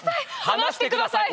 「離してください」